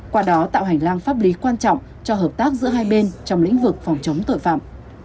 qua đó tạo hành lang pháp lý quan trọng cho hợp tác giữa hai bên trong lĩnh vực phòng chống tội phạm